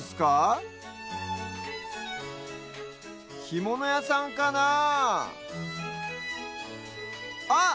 ひものやさんかなああっ！